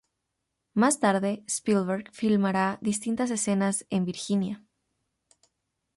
Más tarde, Spielberg filmaría distintas escenas en Virginia.